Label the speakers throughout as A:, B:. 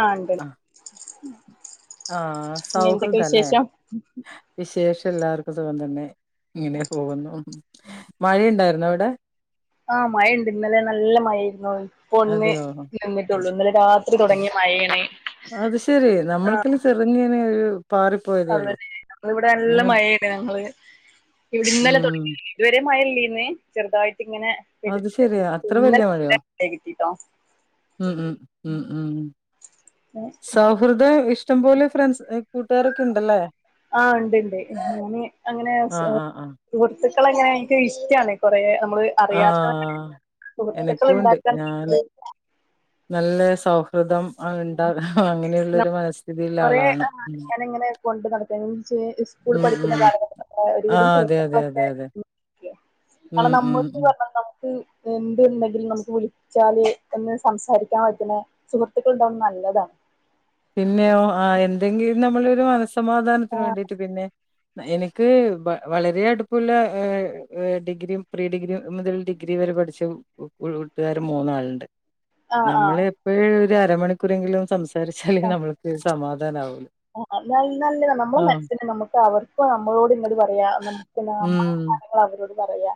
A: ആ ഒണ്ട്
B: ആഹ് ആഹ്
A: പിന്നെ എന്തൊക്കെ
B: സൗഹൃദല്ലേ
A: വിശേഷം?
B: വിശേഷം എല്ലാവർക്കും സുഖം തന്നെ ഇങ്ങനെ പോകുന്നു മഴയുണ്ടായിരുന്നോ അവിടെ
A: ആ മഴയിണ്ട് ഇന്നലെ നല്ല മഴയായിരുന്നു ഒന്ന്
B: അതെയോ
A: നിന്നിട്ടുള്ളൂ ഇന്നലെ രാത്രി തൊടങ്ങിയ മഴയാണ്
B: അത് ശെരി
A: ആ
B: നമ്മൾക്കില് ചെറുങ്ങനെ ഒരു പാറിപ്പോയതേ
A: അവിടെ
B: ഉള്ളൂ
A: ഞങ്ങടെ ഇവിടെ നല്ല
B: ഇങ്ങനെ
A: മഴയാണ്, ഞങ്ങള് ഇന്നലെ
B: ഉം
A: തൊടങ്ങി ഇതുവരെയും മഴയില്ലേ ന്നെ ചെറുതായിട്ട് ഇങ്ങനെ
B: അത്
A: പെയ്തിട്ടുണ്ടായിരുന്നു
B: ശെരിയാ അത്ര വല്യ
A: ഇന്നലെ മഴ
B: മഴയോ
A: കിട്ടിട്ടോ
B: ഉം ഉം ഉം ഉം സൗഹൃദം ഇഷ് ടംപോലെ ഫ്രണ്ട്സ് എഹ് കൂട്ടുക്കാരൊക്കെ ഇണ്ടല്ലേ
A: ആ ഒണ്ടിണ്ട് ഞാന് അങ്ങനെ സു
B: ആഹ് ആഹ് ആഹ്
A: സുഹൃത്തുക്കളങ്ങനെ എനിക്ക് ഇഷ്ടാണ് കുറെ അ [unintelligible] അറിയാത്തോരെ
B: ആഹ്
A: സുഹൃത്തുക്കൾ
B: എനക്കും ഉണ്ട്
A: ഇണ്ടാക്കാ
B: ഞാന്
A: നല്ലത്.
B: നല്ല സൗഹൃദം ആ [unintelligible] ആ അങ്ങനെയുള്ളൊരു മനസ്ഥിതി ഇള്ള
A: കൊറേ
B: ആളാണ്
A: ആഹ്
B: ഉം
A: ഞാനിങ്ങനെ കൊണ്ട് നടക്കാനി [unintelligible] ഇസ്കൂള്
B: ഉം
A: പഠിക്കുന്ന
B: ഉം
A: കാലഘട്ടത്തേ ഒരുവിധം
B: ആഹ് അതെ അതെ അതെ
A: സുഹൃത്തുക്കളൊക്കെ
B: അതെ
A: [unintelligible]
B: ഉം
A: കാരണം
B: ഉം
A: നമ്മക്ക്
B: ഉം
A: പറഞ്ഞാ നമ്മ എന്തുണ്ടെങ്കിലും നമുക്ക് വിളിച്ചാല് ഒന്ന് സംസാരിക്കാൻ പറ്റണ സുഹൃത്ത് സുഹൃത്തുണ്ടാവുന്നെ നല്ലതാ.
B: പിന്നെയോ ആ എന്തെങ്കിലും നമ്മളൊരു മനസ്സ് സമാധാനത്തിന് വേണ്ടിട്ട് പിന്നെ എനിക്ക് ബൺ വളരെ അടുപ്പുള്ള ഡിഗ്രിയും പ്രീ ഡിഗ്രിയും മുതൽ ഡിഗ്രി വരെ പഠിച്ച ഇപ്പം ഇവിടുത്തുകാര് മൂന്നാളിണ്ട്
A: ആഹ് ആഹ്
B: നമ്മളെ എപ്പഴ് ഒര് അരമണിക്കൂറെങ്കിലും സംസാരി ഇതല്ലങ്കി നമ്മൾക്ക് സമാധാനം ധനാവോ
A: ആ അതാ ഇന്നലോ നമ്മടെ മനസ്സിന് നമുക്ക് അവർക്ക് നമ്മളോട് ഇന്നത് പറയാ നമുക്ക് നമ്മ
B: ഉം
A: കാരൃങ്ങൾ അവരോട് പറയ്യ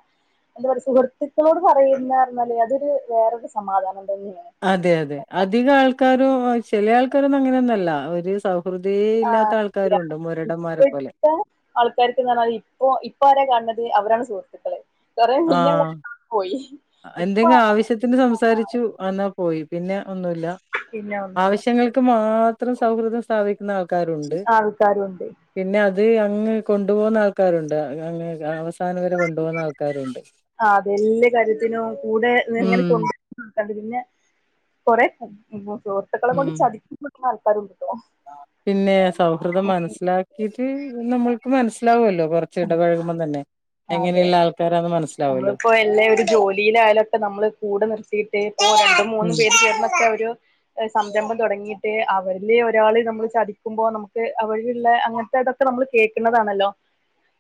A: എന്ത് പഠിച്ച് സുഹൃത്തുക്കളോട് പറയുന്ന മരൃതൊരു വേറൊരു സമാധാനം തന്നെയാണ്
B: അതെ അതെ അധിക ആൾക്കാരും ആയി ചില ആൾക്കാരൊന്നും അങ്ങനെ ഒന്നു അല്ല ഒരു സൗ
A: ആ ഇല്ല
B: പോലെ
A: ഇപ്പഴ്ത്തെ ആൾക്കാർക്ക് ഇങ്ങനായി ഇപ്പൊ ഇപ്പാരെ കാണ്ന്നത് അത് അവരാണ് സുഹൃത്തുക്കള് കൊറേ
B: ആഹ്
A: നില്ലല്ല പോയി ഇപ്പൊ
B: എന്തെങ്കിലും
A: ആരാ?
B: ആവശ്യത്തിന് സംസാരിച്ചു അന്നാ പോയി പിന്നെ ഒന്നുമില്ല
A: പിന്നെ ഒന്നുമില്ല
B: ആവശ്യങ്ങൾക്ക് മാത്ര ഇത്തരം സൗഹൃദം സ്ഥാപി
A: ആൾക്കാരുണ്ട്
B: പിന്നെ അത് അങ്ങ് കൊണ്ടുപോകുന്ന ആൾക്കാരുണ്ട് അങ്ങ് ആ അവസ് സാനവരെ കൊണ്ടുപോകുന്ന ആൾക്കാരുമുണ്ട്
A: ആ അതെല്ലാ കാര്യ കൂടെന്നങ്ങനെ
B: ഉം
A: കൊണ്ട് [unintelligible] പിന്നെ കൊറെ [unintelligible] സുഹൃത്തുക്കളെ കൊണ്ട്
B: ഉം
A: ചതി [unintelligible] ആൾക്കാരുണ്ട്
B: പിന്നെ സൗഹൃദം മനസ്സിലാക്കിട്ട് നമ്മൾക്ക് മനസ്സിലാവല്ലോ കുറച്ച് ഇടപഴകുമ്പം തന്നെ
A: അതെ
B: എങ്ങനെയുള്ള ആൾക്കാരാന്ന് മനസ്സിലാവല്ലോ.
A: നമ്മളിപ്പോ എല്ലാ ഒരു ജോലിയിലായാലൊക്കെ നമ്മള് കൂടെ നിർത്തിയിട്ട് ഇപ്പൊ രണ്ടും മൂന്നും
B: ഉം
A: പേര് ചേർന്നൊക്കെ ഒരു സംരംഭം തുടങ്ങിട്ട് അവരില് ഒരാള് നമ്മള് ചതിക്കുമ്പോ നമുക്ക് അവരിലുള്ള അങ്ങനത്തെ ഇതൊക്കെ നമ്മൾ കേൾക്കുന്നതാണല്ലോ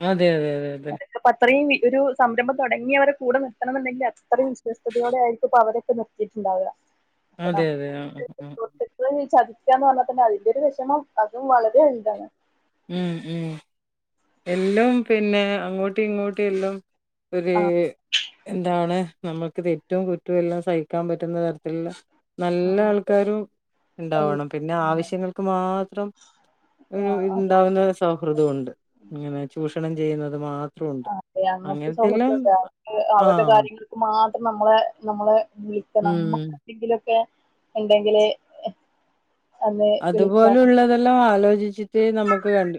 B: അതെ അതെ അതെ അതെ
A: അതൊക്കെ അപ്പ അത്രയും ഒരു സംരംഭം തുടങ്ങിയവരടെ കൂടെ നിർത്തണന്നുണ്ടെങ്കിൽ അത്രയും വിശ്വസ്തയോടെയായിരിക്കും അപ്പ അവരൊക്കെ നിർത്തിയിട്ടുണ്ടാവുക അപ്പൊ
B: അതെ അതെ ആഹ
A: നമുക്ക്
B: ആഹ
A: സുഹൃത്തുക്കള് ചതിക്കാന്ന് പറഞ്ഞാതന്നെ അതിന്റെ ഒരു വിഷമം അതും വളരെ വലുതാണ്
B: ഉം ഉം എല്ലോം പിന്നെ അങ്ങോട്ടി ഇങ്ങോട്ടി എല്ലോം ഒരു
A: ആ
B: എന്താണ് നമ്മുക്ക് തെറ്റോം കുറ്റോം എല്ലാം സഹിക്കാൻ പറ്റുന്ന തരത്തിലുള്ള
A: ആ
B: നല്ല ആൾക്കാരും
A: അതെ
B: ഉണ്ടാവണം പിന്നെ ആവശ്യങ്ങൾക്ക് മാത്രം ഒരു
A: ആ
B: ഇത്
A: അതെ
B: ഉണ്ടാവുന്ന സൗഹൃദമുണ്ട് അങ്ങനെ ചൂഷണം ചെയ്യുന്നത് മാത്ര
A: ആ അതെ അങ്ങനത്തെ സൗഹൃദമുണ്ട് അവക്ക് അവരുടെ
B: ആഹ്
A: കാര്യങ്ങൾക്ക് മാത്രം നമ്മളെ നമ്മളെ വിളിക്കണം
B: ഉം
A: നമ്മുക്ക് എന്തെങ്കിലൊക്കെ ഉണ്ടെങ്കില്
B: അതുപോലുള്ളതെല്ലാം ആലോചി ആലോചിച്ചിട്ടേ നമുക്ക് കണ്ട്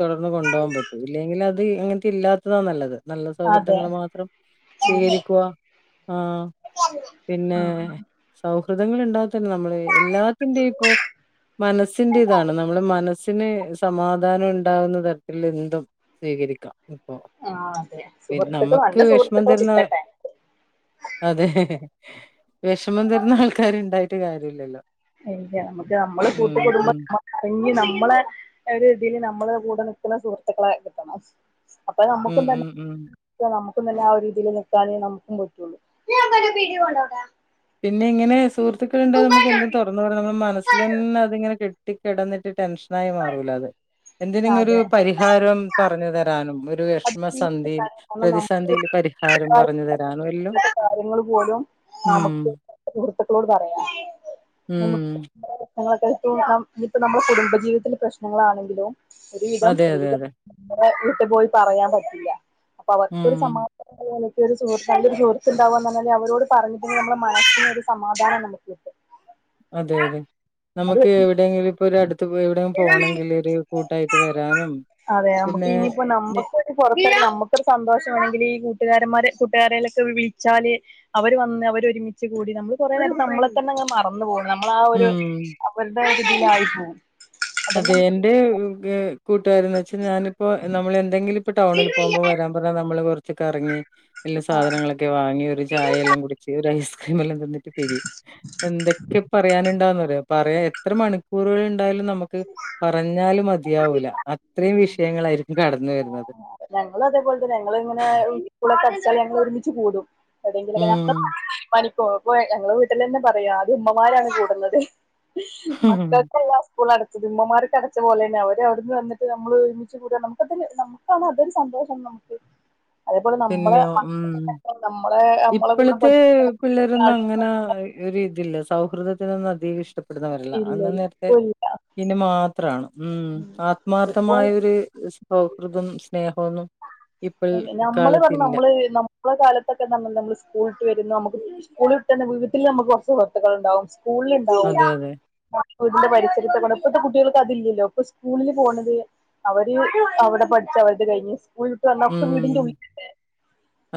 B: തുടർന്ന് കൊണ്ടുപോകാൻ പറ്റും ഇല്ലെങ്കിൽ അത് അങ്ങനത്തെ ഇല്ലാത്തതാ നല്ലത് നല്ല
A: അതെ
B: സൗഹൃദങ്ങള് മാത്രം
A: ആഹ്
B: സ്വീകരിക്കുക ആ പിന്നെ
A: ആഹ്
B: സൗ ഹൃത്തുക്കൾ ഇണ്ടാകത്തില്ല നമ്മള് എല്ലാത്തിൻ്റെ ഇപ്പൊ മനസ്സിൻ്റെ ഇതാണ് നമ്മള് മനസ്സിന് സമാധാനം ഉണ്ടാകുന്ന തരത്തിൽ എന്തും സ്വീകരിക്കാം ഇപ്പൊ
A: ആഹ് അതെ
B: പി-
A: സുഹൃത്തുക്കൾ
B: നമുക്ക്
A: നല്ല
B: വിഷമം
A: സുഹൃത്തുക്കളെ
B: തീരുന്ന
A: കിട്ടട്ടെ.
B: അതെ വെഷമം തരുന്ന ആൾക്കാര് ഇണ്ടായിട്ട് കാര്യം ഇല്ലല്ലോ
A: ഉം നമുക്ക് നമ്മള് കൂട്ടുകൂടുമ്പോ [unintelligible] നമ്മളെ ഒരു ഇതിൽ നമ്മള് കൂടെ നിക്കണ സുഹൃത്തുക്കളെ കിട്ടണം അപ്പൊ
B: ഉം
A: നമുക്കും തന്നെ
B: ഉം ഉം
A: [unintelligible] ക്കും ആ ഒരു രീതിൽ നിക്കാണേ നമുക്കും പറ്റുള്ളൂ
B: പിന്നെ ഇങ്ങനെ സുഹൃത്തക്കുക്കൾ ഇണ്ടേൽ നമുക്ക് എന്തും തുറ ന്ന് പറഞ്ഞ നമ്മൾ മനസ്സിലന്നെ അത് ഇങ്ങനെ കെട്ടി കെടന്നിട്ട് ടെൻഷനായി മാറൂല അത് എന്തിനെങ്കിലും ഒരു
A: അതെ
B: പരിഹാരം പറഞ്ഞു തരാനും ഒരു
A: അത്
B: വെഷമസന്ധിയിൽ-
A: കാരണം നമുക്കാ
B: പ്രതിസന്ധിയിൽ പരിഹാരം പറഞ്ഞു തരാനുവല്ലോ
A: കാര്യങ്ങൾ പോലും
B: ഉം
A: നമുക്ക് സുഹൃത്തുക്കളോട് പറയ
B: ഉം
A: ഞളൊക്കെ [unintelligible] ഇനി ഇപ്പ നമ്മുടെ കുടുംബജീവിതത്തിൽ പ്രശ്നങ്ങളാണെങ്കിലും ഒരുവിധം
B: അതെ
A: സ്ത്രീ
B: അതെ
A: [unintelligible]
B: അതെ
A: ഇപ്പ വീട്ടി പോയി പറയാൻ പറ്റില്ല അപ്പ അവർക്കൊരു
B: ഉം
A: സമാധാനം പോലെ ഒരു സുഹൃത്ത് നല്ലൊരു സുഹൃത്തുണ്ടാവാന്നു പറഞ്ഞാല് അവരോട് പറഞ്ഞിട്ടെങ്കിൽ നമ്മടെ മനസ്സിന് ഒരു സമാധാനം നമുക്ക് കിട്ടും
B: അതെ അതെ
A: അത്
B: നമുക്ക് എവിടെങ്കിലും ഇപ്പോ ഒരു അടുത്ത് എവിടെയും പോണേങ്കിൽ ഒരു കൂട്ടായിട്ട് വരാനും പിന്നെ [unintelligible]
A: ഇപ്പൊ ഒരു പുറത്ത് [unintelligible] നമുക്കൊരു സന്തോഷംമാണെങ്കിൽ ഈ കൂട്ടുകാരന്മാരെ കൂട്ടുകാരെയല്ലക്ക വിളിച്ചാല് അവർ വന്ന് അവര് ഒരുമിച്ച് കൂടി നമ്മള് കുറേ നേരം നമ്മളെ തന്നെ അങ്ങനെ മറന്നു പോകും നമ്മള ആ ഒരു
B: ഉം
A: അവരുടെ ഒരു ഇതിലായി പോവും
B: അതെ എന്റെ [inaudible] കൂട്ടുക്കാരെന്ന് വെച്ചാ ഞാനിപ്പോ നമ്മളെന്തെങ്കിലും ഇപ്പ ടൗണിൽ പോകുമ്പോ വരാൻ പറഞ്ഞ നമ്മള് വെറു കറങ്ങി എല്ല
A: ആഹ്
B: സാധനങ്ങളൊക്കെ വാങ്ങി ഒരു ചായയെല്ലാം കുടിച്ച് ഒരു ഐസ് ക്രീം വെല്ലോം തിന്നിട്ട് പിരിയും എന്തൊക്കെ പറയാനുണ്ടാവുന്ന് അറിയോ പറയാൻ എത്ര മണിക്കൂറുകൾ ഉണ്ടായാലും നമ ക്ക് പറഞ്ഞാലും മതിയാവൂല അത്രയും വിഷയങ്ങളായിരിക്കും കടന്ന് വരുന്നത്
A: ഞങ്ങളും അതേപോലെ തന്നെ ഞങ്ങളിങ്ങനെ സ്കൂളൊക്കെ ഞങ്ങൾ ഒരുമിച്ച് കൂടും എവിടെങ്കിലൊക്കെ നമ്മ
B: ഉം
A: പാനി പ്പ ഞങ്ങള് വീട്ടിലെന്നെ പറയും ആദ്യം ഉമ്മമാരാണ് കൂടുന്നതേ ഉം മക്കക്കല്ലാ സ്കൂൾ അടച്ചത് ഉമ്മമാർക്ക് അടച്ച പോലാണ് അവര് അവിട്ന്ന് വന്നിട്ട് മ്മള് ഒരുമിച്ച് കൂടാ നമുക്കതല്ലേ നമുക്കാണ് അതൊരു സന്തോഷം നമുക്ക് അതേപോലെ നമ്മള് നമ്മ
B: ഇപ്പോളത്തെ പിള്ളേരൊന്നും അങ്ങനെ ഒരു ഇതില്ല സ്‌കു സൗഹൃദത്തിൽ ഒന്നും അധികം ഇഷ്ട പ്പെടുന്നവരല്ല
A: ഇല്ല
B: അന്ന നേരത്തെ
A: ഇപ്പൊ ഇല്ല
B: പിന്നെ മാത്രമാണ് ഉ
A: ഇപ്പൊ
B: ആത്മാർത്ഥമായ ഒരു സൗഹൃദം സ്നേഹമൊന്നും ഇപ്പോൾ
A: നമ്മള് പറഞ്ഞ
B: കാലത്തില്ല
A: നമ്മള് നമ്മളെ കാലത്തൊക്കെ നമ്മക്ക് നമ്മൾ സ്കൂളിട്ട് വരും നമുക്ക് സ്കൂളിട്ട് വന്നാ വീട്ടിൽ മ്മക്ക് കുറച്ച് സുഹൃത്തുൾണ്ടാവും സ്കൂളിൽ ഇണ്ടാവും
B: അതെ അതെ
A: വീടിന്റെ പരിസരത്തൊക്കെ ഇപ്പത്തെ കുട്ടികൾക്ക് അതില്ലല്ലോ ഇപ്പ സ്കൂള് ല് പോണത് അവര് അവിടെ പഠിച്ച അവരുത് കഴിഞ്ഞ് സ്കൂൾ വിട്ട് വന്ന ഒക്കെ വീടിന്റെ ഉള്ളിൽ
B: ഉം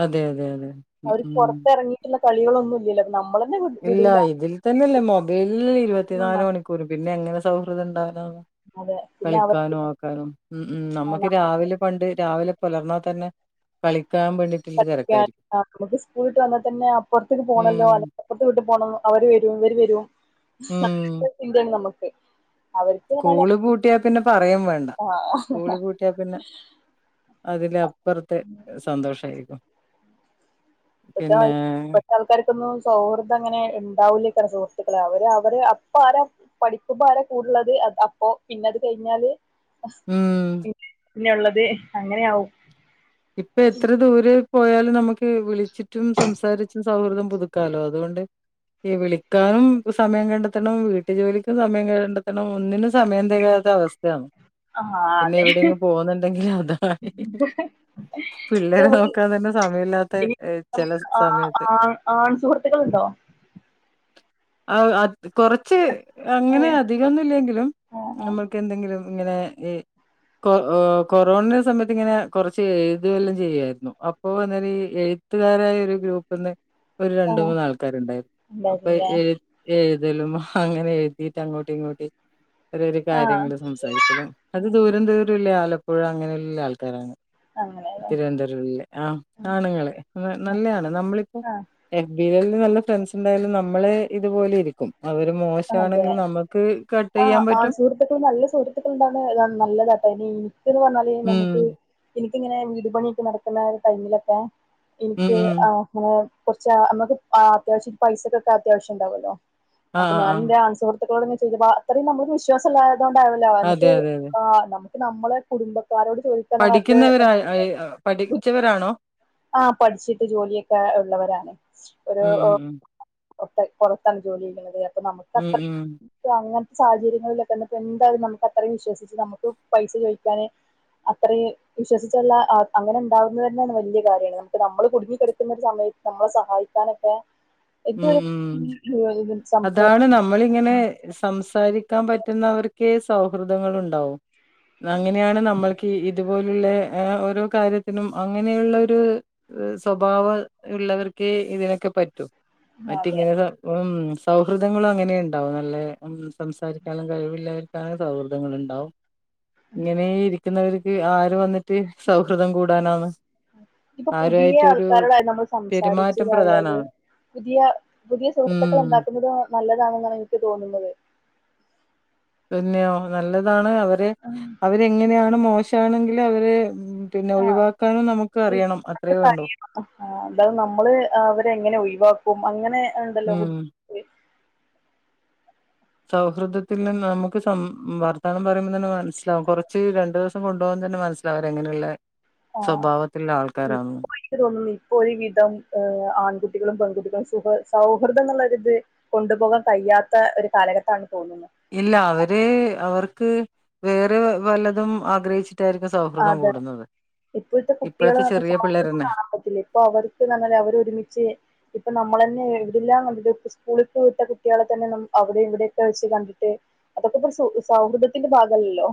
B: അതെ അതെ അതെ ഉം
A: അവര്
B: ഉം
A: പുറത്തിറങ്ങിട്ട് കളികളൊന്നും ഇല്യല്ലോ നമ്മള
B: ഇല്ല ഇതിൽ തന്നെല്ലേ മൊബൈൽ ഇരുപത്തിനാല് മണിക്കൂറും പിന്നെ എങ്ങനെ സൗഹൃദം ണ്ട ണ്ടാവാ
A: അതെ പിന്നെ അവർക്ക്
B: കളിക്കാനും ആക്കാനും ഉ ഉ നമ്മുക്ക് രാവിലെ പണ്ട് രാവിലെ പുലർന്നാൽ തന്നെ കളി
A: [unintelligible] നമക്ക് സ്കൂളിട്ട് വന്നാൽ തന്നെ അപ്പുറത്തേക്ക് പോകണല്ലോ
B: ഉം
A: അല്ലെങ്ക അപ്പുറത്ത വി പോണം അവര് വരും ഇവര് വരും
B: ഉം
A: ഒറ്റ ചിന്താ നമക്ക്
B: സ്കൂള് പൂട്ടിയാൽ പിന്നെ പറയും വേണ്ട
A: ആ
B: സ്കൂള് പൂട്ടിയാൽ പിന്നെ അതിലാ പ്പുറത്ത് സന്തോഷമായിരിക്കും
A: ഇപ്പത്തെ ഇപ്പഴത്തെ ആൾക്കാർക്കൊന്നും സൗഹൃദം അങ്ങനെ ഉണ്ടാവൂല ഇ സുഹൃത്തുക്കളെ അവര് അവര് അപ്പ ആരാ പഠിക്കുമ്പോ ആരാ കൂടുള്ളത് അപ്പൊ പിന്നെ അത് കഴിഞ്ഞാല് ഹ്
B: ഉം
A: പിന്നെള്ളത് അങ്ങനെ ആവും
B: ഇപ്പൊ എത്ര ദൂര പോയാല് നമുക്ക് വിളിച്ചിട്ടും സംസാരിച്ചും സൗഹൃദം പുതുക്കാലോ അതുകൊണ്ട് വിളിക്കാനും സമയം കണ്ടെത്തണം വീട്ടു ജോലിക്കും സമയം കണ്ടെത്തണം ഒന്നിനും സമയം തികയാത്ത അവസ്ഥയ
A: ആ
B: പിന്നെ
A: അതെ
B: എവിടെയെങ്കും പോന്നുണ്ടെങ്കിൽ അതെനെ
A: നമുക്ക്
B: സമയമില്ലാത്ത
A: ഇ
B: ഏഹ്, ചില
A: ആ
B: സമയത്ത്
A: ആ ആൺ സുഹൃത്തുക്കൾണ്ടോ
B: അഹ് അ കൊറച്ച്
A: ഏ
B: അങ്ങനെ അധികംന്നിലെങ്കിലും
A: ആ ആ
B: നമ്മൾക്ക് എന്തെങ്കിലും ഇങ്ങനെ ഏഹ് കൊ ഉഹ് കൊറോണ സമയത്ത് ഇങ്ങനെ കൊറ ചെയ്തവെല്ലാം ചെയ്യായിരുന്നു അപ്പൊ എന്നേരം ഈ എഴുത്തുകാരായ ഒരു ഗ്രൂപ്പ്ന്ന് ഒരു
A: ആ
B: രണ്ട മൂന്നാൾക്കാരുണ്ടായിരുന്നു അപ്പൊ
A: ഉണ്ടായിരുന്നല്ലേ
B: എഴ എഴ ന്തേലും അങ്ങനെ എഴുതിയിട്ട് അങ്ങോട്ടി ഇങ്ങോട്ടി ഒരു ഒരു
A: ആ
B: കാര്യങ്ങള് സംസാരിക്കലും അത് ദൂരം ദൂരല്ല ആലോ ഇപ്പോഴും അങ്ങനെയുള്ള ആൾക്കാരാണ്
A: അങ്ങനെയല്ലേ
B: തിരുവനന്തപുരല്ലേഅ ആണ്ങ്ങള് അ നല്ലയാണ് നമ്മളിപ്പോ
A: ആ
B: എഫ് ബി യില് നല്ല ഫ്രണ്ട്സ് ഉണ്ടായാലും നമ്മള് ഇതുപോലെ ഇരിക്കും അവര്
A: അതെ
B: മോശാണെങ്കിൽ നമ്മക്ക് കട്ട്
A: ആഹ്
B: ചെയ്യാൻ
A: ആൺ
B: പറ്റും.
A: സുഹൃത്തുക്കള് നല്ല സുഹൃത്തുക്കൾ ഉണ്ടാകുന്നത് ന നല്ലതാട്ടോ ഇനി [unintelligible] പറഞ്ഞാലേ
B: ഉം.
A: നമുക്ക് എനിക്കിങ്ങനെ വീട് പണിയൊക്കെ നടക്കുന്ന ടൈമിലൊക്കെ
B: ഉം,
A: എനിക്ക്
B: ഉം.
A: ആങ്ങള കൊറച്ച് അമ്മക്ക് ആ അത്യാവശ്യം ഇ പൈസക്കൊക്കെ അത്യാവശ്യം ഉണ്ടാവല്ലോ
B: ആഹ്,
A: അപ്പ
B: ആഹ്, ആഹ്.
A: ഞാനെന്റെ ആൺ സുഹൃ [unintelligible] അത്രയും നമ്മളൊരു വിശ്വാസമുള്ള [unintelligible]
B: അതെ,
A: നമുക്ക്
B: അതെ, അതെ.
A: ആ നമു നമ്മളെ കുടുംബ ആരോട് ചോദിക്കും എന്ന മട്ട്
B: പഠിക്കുന്നവരാ അയ് അ പഠിച്ചവരാണോ
A: [inaudible] ആ പഠിച്ചിട്ട് ജോലിയൊക്കെ ഉള്ളവരാണ് ഒരു
B: ഉം ഉം
A: പൊറത്തു പുറത്താണ് ജോലി ചെയ്യുന്നത് അതെയോ
B: ഉം ഉം ഉം
A: [inaudible] സാഹചര്യങ്ങളിലൊക്കെ എന്നിട്ട് എന്തായാലും നമുക്ക് അത്രയും വിശ്വസിച്ച് നമുക്ക് പൈസ ചോദിക്കാന് അത്രയും വിശ്വസിച്ചുള്ള അ അങ്ങനെ ഉണ്ടാകുന്നത് തന്നെയാണ് വല്യ കാര്യമാണ് നമുക്ക് നമ്മള് കുടുങ്ങി കെടക്കുന്ന ഒരു സമയത്ത് നമ്മളെ സഹായിക്കാനൊക്കെ ഇത്
B: ഉം ഉം
A: [unintelligible] സം
B: [unintelligible] നമ്മളിങ്ങനെ സംസാര് രിക്കാൻ പറ്റുന്നവർക്കേ സൗഹൃദങ്ങൾ ഉണ്ടാവു അങ്ങനെയാണ് നമ്മൾക്ക് ഇതുപോലുള്ള ഓരോ കാര്യത്തിനും അങ്ങനെയുള്ള ഒരു സ്വഭാവം ഉള്ളവർക്കേ ഇതിനൊക്കെ പറ്റു
A: ആ,
B: മറ്റ്
A: അതെ
B: ഇങ്ങന [unintelligible] സൗഹൃദങ്ങള് അങ്ങനെ ഉണ്ടാവും നല്ലേ സംസാരിക്കാനും കഴിവുള്ളവർക്കാണ് സൗഹൃദങ്ങള് ഉണ്ടാവും ഇങ്ങനെ ഇരിക്കുന്നവര് ആര് വന്നിട്ട് സൗഹൃദം കൂടാനാണ്
A: ഇപ്പൊ പുതിയ
B: ആരുമായിട്ടൊരു
A: ആൾക്കാരോടായാലും നമ്മള് സംസാരിച്ച്
B: പെരുമാറ്റം
A: ഇതായാല്
B: പ്രധാനാണ്
A: പുതിയ പുതിയ
B: ഉം
A: സുഹൃത്തുക്കൾ ഉണ്ടാക്കുന്നുന്നത് നല്ലതാണെന്നാണ് എനിക്ക് തോന്നുന്നത്
B: പിന്നെയോ നല്ലതാ ണ് അവരെ അവരെങ്ങനെയാണ് മോശ ച്ചാണെങ്കിൽ അവര് പിന്നെ ഒഴിവാക്കാനും നമുക്ക്
A: ആഹ്
B: അറിയണം അത്രേ വേണ്ടു
A: [inaudible] അത് നമ്മള് അവരെ എങ്ങനെ ഒഴിവാ പ്പൊമ് അങ്ങനെ എന്തല്ലോ ബുദ്ധി
B: ഉം
A: ട്ട്
B: സൗഹൃദത്തില് നമുക്ക് സം വർത്താനം പറയുമ്പോ തന്നെ മനസ്സിലാവും കൊറച്ച് രണ്ടു ദിവസം കൊണ്ടുപോകാൻ തന്നെ മനസ്സിലാവും അവര് എങ്ങനെയുള്ള
A: ആ ഇപ്പോ എനിക്ക് തോന്നുന്നു ഇപ്പൊ ഒരു വിധം ആൺകുട്ടികളും പെൺകുട്ടികളും സുഖ സൗഹൃദം എന്നുള്ളര് ഇത് കൊണ്ടുപോകാൻ കഴിയാത്ത ഒരു കാലഘട്ടത്താണ്
B: ഇല്ല അവര് അവർക്ക് വേറെ വലതും ആഗ്രഹിച്ചി
A: അതെ ഇപ്പോഴത്തെ കുട്ടികളെ
B: ഇപ്പോഴത്തെ
A: നമുക്ക്
B: ചെറിയ
A: സൗഹൃദം
B: പിള്ളേരന്നെ
A: കാണാൻ പറ്റില്ല ഇപ്പൊ അവർക്ക് നന്നല്ല അവര് ഒരുമിച്ച് ഇപ്പം നമ്മളന്നെ ഇല്ലാം കണ്ടിട്ട് സ്കൂളി വിട്ട കുട്ടികളെ തന്നെ അവിടെ ഇവിടെയൊക്കെ വെച്ച് കണ്ടിട്ട് അതൊക്കെ ഇ സ സൗഹൃദത്തിന്റെ ഭാഗല്ലല്ലോ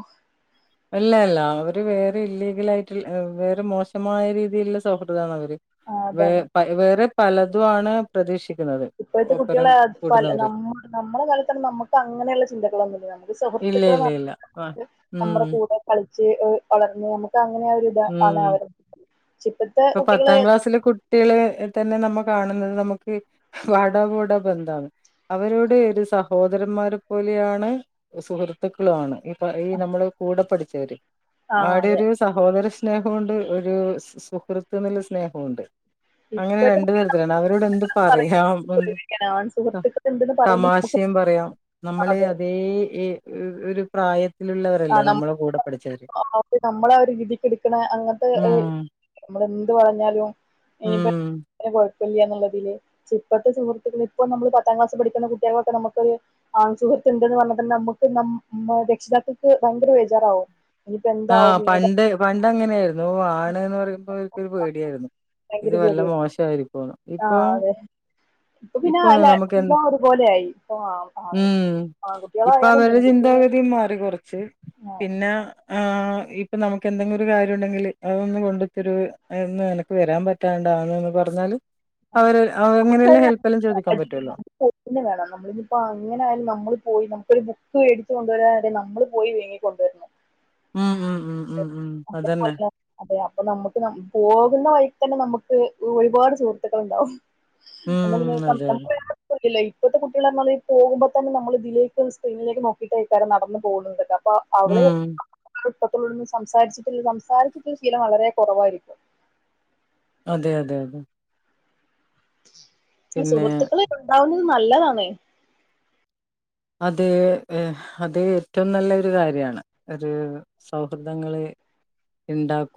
B: അല്ല അല്ല അവര് വേറെ ഇല്ലീഗലായിട്ടുള്ള വേറെ മോശമായ രീതിയിലുള്ള സൗഹൃദാണ് അവര്
A: ആ
B: വേ
A: അതാണ്
B: വേറെ പലതും ആണ് പ്രതീക്ഷിക്ക
A: ഇപ്പോഴത്തെ കുട്ടികളെ പല നമ്മ നമ്മളെ ക്കാലത്തു നമുക്ക് അങ്ങനെയുള്ള ചിന്തകളൊന്നുംമില്ല നമ്മുക്ക്
B: ഇല്ല
A: സുഹൃത്തുക്കള്
B: ഇല്ല ഇല്ല ആ
A: മാത്രം നമ്മുടെ
B: ഉം
A: കൂടെ കളിച്ച് വളർന്ന് നമുക്ക് അങ്ങനെ ഒരിത് ആണ്
B: ഉം
A: അവർക
B: ഇപ്പൊ പത്താം ക്ലാസ്സിലെ കുട്ടികള് തന്നെ നമ്മുക്ക് കാണുന്നത് നമുക്ക് വാട പോടാ ബന്ധാണ് അവരോട് ഒരു സഹോദരന്മാരെ പോലെയാണ് സുഹൃത്തുക്കളുംമാണ് ഇപ്പം ഈ നമ്മളെ കൂടെ പടി ശരി
A: ആ
B: അവിടെ
A: അതെ
B: ഒരു സഹോദര സ്നേഹം ഒണ്ട് ഒരു സു കൃത്ത് നല്ല സ്നേഹോണ്ട് അങ്ങനെ
A: ഇപ്പോഴത്തെ
B: രണ്ടു
A: കുട്ടികൾ
B: തരത്തിലാണ് അവരോട് എന്ത്
A: പറയുമ്പോ
B: പറയാം എന്ത്
A: പേടിയാണ് ആൺ സുഹൃത്തുക്കൾ ഉണ്ടെന്ന് പറയുമ്പോ നമുക്ക്
B: തമാശയും പറയാം നമ്മളെ
A: അതെ
B: അതേ എ ഒരു പ്രായ
A: [unintelligible]
B: ഉം
A: നമ്മള് എന്ത് പറഞ്ഞാലും ഇനിപ്പ
B: ഉം
A: ഇല്ല്യാന്നൊള്ളിതില് ക്ഷേ പ്പഴത്ത ഇപ്പം നമ്മള് പത്താംക്ലാസി പഠിക്കുന്ന കുട്ടികളൊക്കെ നമ്മ്ക്ക് ആൺ സുഹൃത്ത് ണ്ടെന്ന് പറഞ്ഞാ തന്ന അമ്മക്ക് മ്മ രക്ഷിതാക്കള് ഇത് ഭയങ്കര ബേജാറാവും ഇനിയിപ്പോ
B: ങാ
A: എന്താവും ഏതാ
B: പണ്ട് പണ്ട് അങ്ങനായിരുന്നു ത് ആണ് എന്ന് പറയുമ്പോ അവ്ക്കൊരു പേടിയായിരുന്നു ഇത് വല്ല മോശമായിരിക്കുംന്ന്
A: ആഹ് അതെ ഇപ്പ പിന്നാ
B: ഇപ്പൊന്ന്
A: ല്ല
B: നമുക്ക് എ
A: എല്ലാം ഒരുപോലെ ആയി ഇപ്പ ആ ആണ്
B: ഉം ഇപ്പൊ
A: ആൺകുട്ടികളായാലും
B: അവരുടെ
A: പെൺകുട്ടികള്
B: ചിന്താഗതി മാറി കൊറച്ച്
A: ങാ
B: പിന്നെ ആഹ് ഇപ്പം നമുക്ക് എന്തെങ്കിലും ഒരു കാര്യം ഉണ്ടെങ്കിൽ അതൊന്ന് കൊണ്ടത്തരോ എന്ന് എനക്ക് വരാൻ പറ്റാണ്ടാ എന്ന് ഒന്ന് പറഞ്ഞാല്
A: ങാ
B: അവര് അങ്ങനെയുള്ള
A: നമുക്കറിയാം
B: ഹെൽപ്പെല്ലാം ചോദിക്കാൻ പറ്റുവല്ലോ
A: [unintelligible] ഹെൽപന്നെ വേണംന്ന് നമ്മളിപ്പം അങ്ങനായാലും നമ്മള് പോയി നമ് ഒരു ബുക്ക് വേടിച്ച് കൊണ്ടുവരാനായാലും നമ്മള് പോയി വേങ്ങിക്കൊണ്ടുവരണം
B: ങാ ങാ ങാ ങാ ഉം അതന്നെ
A: അതെ അപ്പൊ നമ്മക്ക് പോകുന്ന വഴിക്ക് തന്നെ നമുക്ക് ഒരുപാട് സുഹൃത്തുക്കളൊണ്ടാവും
B: ഉം അതെ അതെ
A: [unintelligible] ഇപ്പോത്തെ കുട്ടികളാന്നു പറഞ്ഞാ ഈ പോകുമ്പോ തന്നെ നമ്മള് ഇതിലേക്ക് ഈ സ്ക്രീനിലേക്ക് നോക്കിയിട്ട് ഇക്കെ [unintelligible] നടന്ന് പോവുന്നത് കേട്ടാ അ [unintelligible] അവിടെ
B: ഉം
A: മൊത്തത്തിലൊന്നും സംസാരിച്ചിട്ടില്ല സംസാരിച്ചിട്ടുള്ള ശീലം വളരെ കൊറവായിരിക്കും
B: അതെ അതെ അതെ പിന്നെ
A: സുഹൃത്തുക്കളും ഉണ്ടാവ നല്ലതാണ്
B: അത് അത് ഏറ്റവും നല്ല ഒരു കാര്യാണ് ഒരു സൗഹൃദങ്ങള് ഇണ്ടാക്കു